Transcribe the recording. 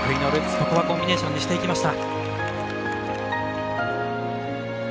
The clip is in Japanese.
ここはコンビネーションにしていきました。